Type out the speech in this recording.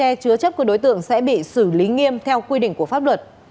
xe chứa chấp của đối tượng sẽ bị xử lý nghiêm theo quy định của pháp luật